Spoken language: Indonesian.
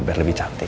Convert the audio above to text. biar lebih cantik